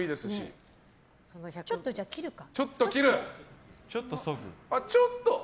ちょっと切るか。